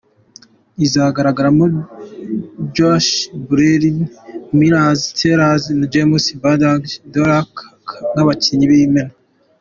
Izagaragaramo Josh Brolin, Milles Teller na James Badge Dale nk’abakinnyi b’imena.